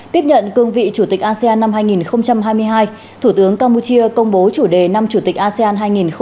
tiếp nhận cương vị chủ tịch asean năm hai nghìn hai mươi hai thủ tướng campuchia công bố chủ đề năm chủ tịch asean hai nghìn hai mươi